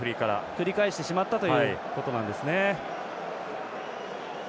繰り返してしまったということなんですね。